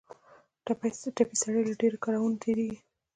ټپي سړی له ډېرو کړاوونو تېرېږي.